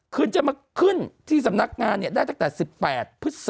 คือจะมาขึ้นที่สำนักงานเนี่ยได้ตั้งแต่๑๘พฤษา